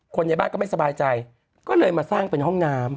ในบ้านก็ไม่สบายใจก็เลยมาสร้างเป็นห้องน้ำ